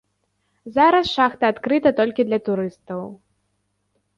Зараз шахта адкрыта толькі для турыстаў.